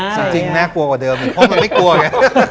จริงแน่กลัวกว่าเดิมเหมือนคนที่ไม่กลัวไง